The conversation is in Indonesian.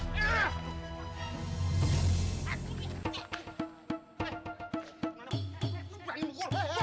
aduh ini kaya